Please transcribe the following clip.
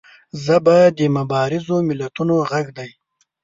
ژبه د مبارزو ملتونو غږ دی